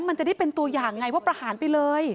มันจะได้เป็นตัวอย่างไงว่าประหารไปเลย